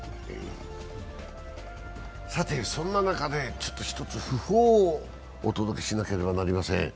さて、そんな中で一つ訃報をお届けしなければなりません。